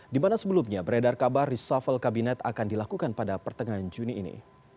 di mana sebelumnya beredar kabar reshuffle kabinet akan dilakukan pada pertengahan juni ini